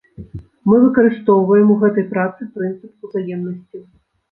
Мы выкарыстоўваем у гэтай працы прынцып узаемнасці.